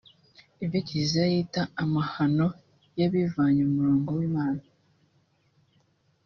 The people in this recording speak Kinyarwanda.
ibyo Kiliziya yita “amahano y’abivanye mu murongo w’Imana